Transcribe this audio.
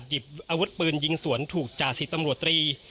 หยิบอาวุธปืนยิงสวนถูกจ่าสิบตำรวจตรี